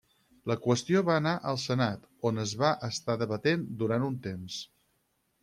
La qüestió va anar al senat, on es va estar debatent durant un temps.